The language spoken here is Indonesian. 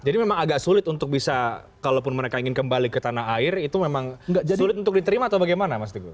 jadi memang agak sulit untuk bisa kalaupun mereka ingin kembali ke tanah air itu memang sulit untuk diterima atau bagaimana mas teguh